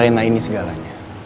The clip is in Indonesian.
rena ini segalanya